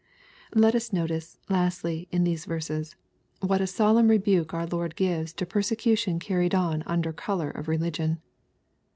Let us notice, lastly, in these verses, what a solemn rebuke our Lord gives to persecution carried on under color of religion.